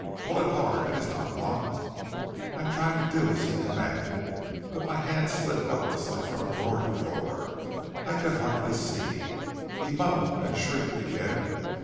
Pull it hard; it is not locked!' }{}{ "I tried to do as he commanded, but my hand }{ slid helplessly from drawer to drawer. I could }{ hardly see. He moaned and shrieked again.